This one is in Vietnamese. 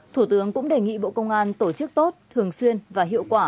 thủ tướng cũng đề nghị bộ công an tổ chức tốt thường xuyên và hiệu quả